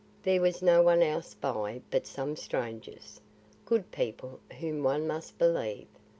There was no one else by but some strangers good people whom one must believe.